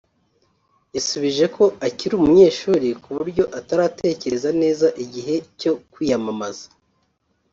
yasubije ko akiri umunyeshuri ku buryo ataratekereza neza igihe cyo kwiyamamaza